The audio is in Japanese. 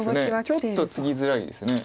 ちょっとツギづらいです。